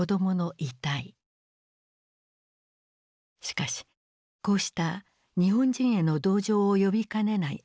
しかしこうした日本人への同情を呼びかねない映像はカットされた。